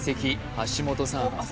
橋本さん